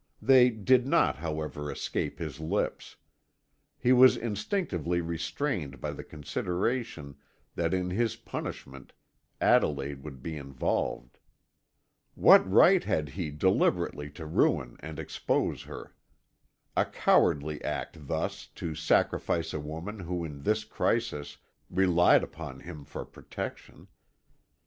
They did not, however, escape his lips. He was instinctively restrained by the consideration that in his punishment Adelaide would be involved. What right had he deliberately to ruin and expose her? A cowardly act thus to sacrifice a woman who in this crisis relied upon him for protection.